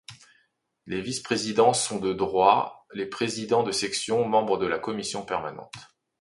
Les vice-présidents sont, de droit, les présidents de section, membres de la commission permanente.